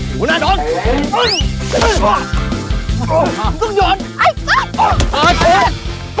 หัวหน้าสด